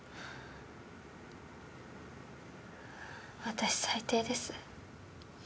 私最低です。